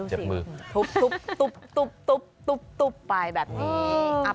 ดูสิทุบไปแบบนี้